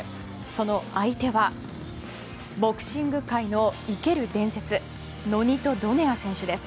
その相手はボクシング界の生ける伝説ノニト・ドネア選手です。